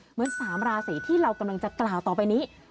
เหมือน๓ราศีที่เรากำลังจะกล่าวต่อไปนี้